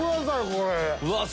これ。